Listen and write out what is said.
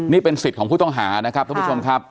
นี่เป็นสิทธิ์ของผู้ต้องหานะครับทุกผู้ชมครับ